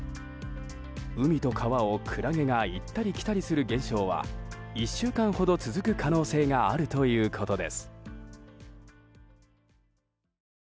海と川を、クラゲが行ったり来たりする現象は１週間ほど続く可能性があるということです。